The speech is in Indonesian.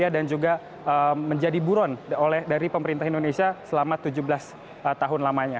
dan juga menjadi buron oleh dari pemerintah indonesia selama tujuh belas tahun lamanya